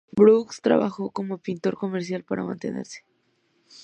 Brooks trabajó como pintor comercial para mantenerse.